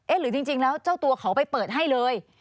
หรือจริงแล้วเจ้าตัวเขาไปเปิดให้เลย